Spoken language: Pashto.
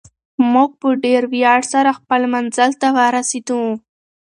موږ په ډېر ویاړ سره خپل منزل ته ورسېدو.